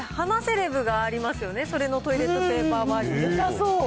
鼻セレブがありますよね、それのトイレットペーパーバージョン。